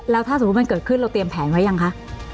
แล้วถ้าสมมุติมันเกิดขึ้นเราเตรียมแผนไว้ยังคะ